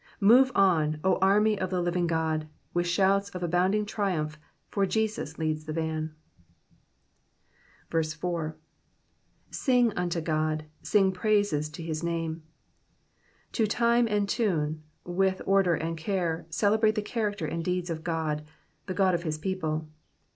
Move on, O army of the living God, with shouts of abounding triumph, for Jesus leads the van. 4. ^^Sing unto God, sing praises to his name^ To time and tune, with order and care, celebrate the character and deeds of God, the God of his people.